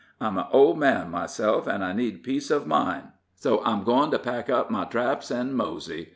I'm an old man myself, an' I need peace of mind, so I'm goin' to pack up my traps and mosey.